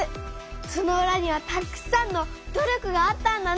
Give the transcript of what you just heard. そのうらにはたくさんの努力があったんだね！